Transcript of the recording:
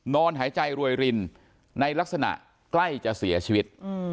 นอนหายใจรวยรินในลักษณะใกล้จะเสียชีวิต